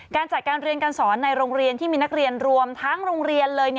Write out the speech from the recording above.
การจัดการเรียนการสอนในโรงเรียนที่มีนักเรียนรวมทั้งโรงเรียนเลย